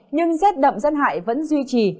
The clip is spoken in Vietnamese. nhưng rét đậm dân hại vẫn duy trì